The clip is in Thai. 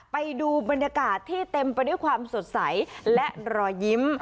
ไปดูบรรยากาศที่เต็มไปด้วยความสดใสและรอยยิ้ม